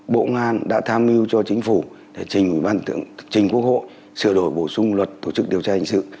bộ ngoan đã tham mưu cho chính phủ để trình quốc hộ sửa đổi bổ sung luật tổ chức điều tra hình sự